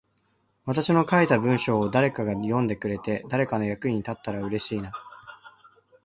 私の書いた文章を誰かが読んでくれて、誰かの役に立ったら嬉しいな。